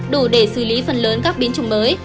đủ để xử lý phần lớn các biến chủng mới